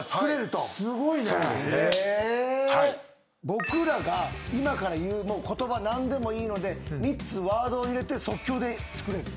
僕らが今から言う言葉何でもいいので３つワードを入れて即興で作れる。